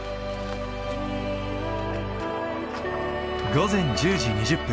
午前１０時２０分。